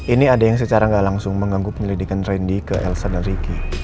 ini ada yang secara tidak langsung mengganggu penyelidikan randy ke elsa dan ricky